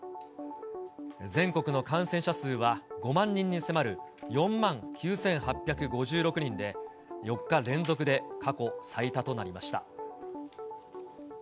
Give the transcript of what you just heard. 全国の感染者数は５万人に迫る４万９８５６人で、４日連続で過去最多となりました。